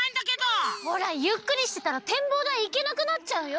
ほらゆっくりしてたらてんぼうだいいけなくなっちゃうよ！